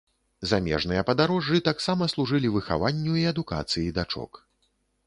Замежныя падарожжы таксама служылі выхаванню і адукацыі дачок.